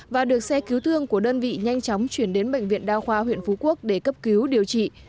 và được xe cứu thương của đơn vị nhanh chóng chuyển đến bệnh viện đa khoa huyện phú quốc để cấp cứu điều trị